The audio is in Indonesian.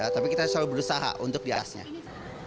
tapi kita selalu berusaha untuk dihasilkan